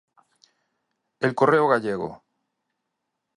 El Correo Gallego.